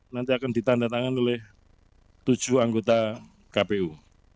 nanti akan ditanda tangan oleh tujuh anggota kpu